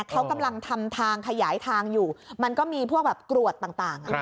เขากำลังทำทางขยายทางอยู่มันก็มีพวกแบบกรวดต่าง